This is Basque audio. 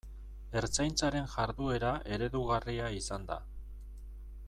Ertzaintzaren jarduera eredugarria izan da.